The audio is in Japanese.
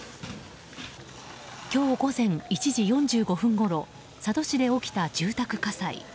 今日午前１時４５分ごろ佐渡市で起きた住宅火災。